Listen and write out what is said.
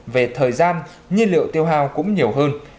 về thời gian nhiên liệu tiêu hào cũng nhiều hơn